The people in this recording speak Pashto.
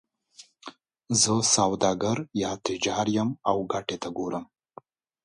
زه تجار یم او ګټې ته ګورم.